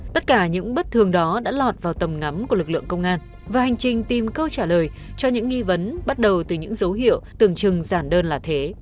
tất cả những bất thường đó đã lọt vào tầm ngắm của lực lượng công an và hành trình tìm câu trả lời cho những nghi vấn bắt đầu từ những dấu hiệu tưởng chừng giản đơn là thế